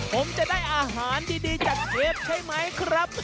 ผมจะได้อาหารดีจากเชฟใช่ไหมครับ